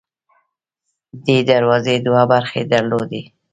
دې دروازې دوه برخې درلودې.